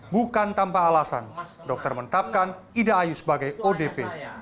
bukan tanpa alasan dokter mentapkan ida ayu sebagai odp